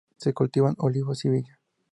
Se cultivan olivos y viña.